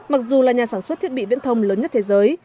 mặc dù là nhà sản xuất thiết bị viễn thông lớn nhất thế giới